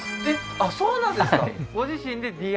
あっそうなんですか？